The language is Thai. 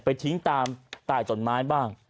ไปทิ้งตามต่ายต้นไม้บ้าง